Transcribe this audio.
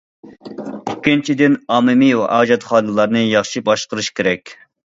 ئىككىنچىدىن، ئاممىۋى ھاجەتخانىلارنى ياخشى باشقۇرۇش كېرەك.